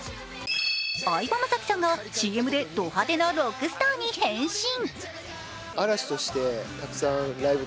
相葉雅紀さんがＣＭでド派手なロックスターに変身。